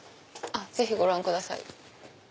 ぜひご覧ください。